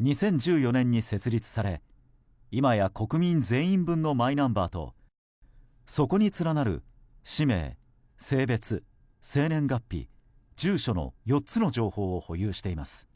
２０１４年に設立され今や国民全員分のマイナンバーとそこに連なる氏名、性別生年月日、住所の４つの情報を保有しています。